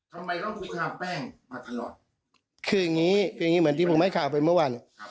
ทำไมต้องคุกคามแป้งมาตลอดคืออย่างงี้คืออย่างงี้เหมือนที่ผมให้ข่าวไปเมื่อวัน